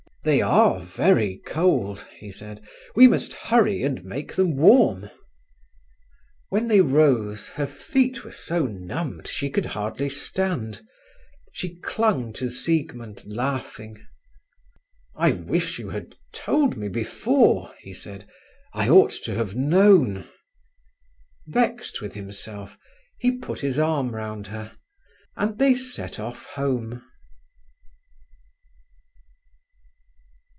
"They are very cold," he said. "We must hurry and make them warm." When they rose, her feet were so numbed she could hardly stand. She clung to Siegmund, laughing. "I wish you had told me before," he said. "I ought to have known…." Vexed with himself, he put his arm round her, and they set off home.